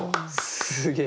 すげえ。